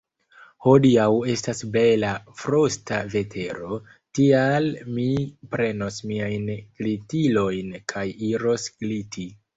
Hodiaŭ estas bela frosta vetero, tial mi prenos miajn glitilojn kaj iros gliti.